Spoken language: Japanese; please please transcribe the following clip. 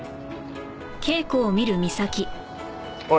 おい。